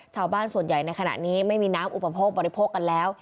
ส่วนใหญ่ในขณะนี้ไม่มีน้ำอุปโภคบริโภคกันแล้ว